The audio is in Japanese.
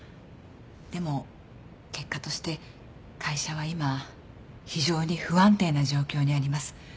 でも結果として会社は今非常に不安定な状況にあります。